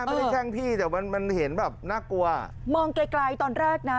ไม่ได้แช่งพี่แต่มันมันเห็นแบบน่ากลัวมองไกลไกลตอนแรกนะ